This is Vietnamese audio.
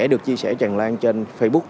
được chia sẻ tràn lan trên facebook